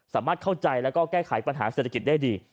สามารถเข้าใจแล้วก็แก้ไขปัญหาเศรษฐกิจได้ดี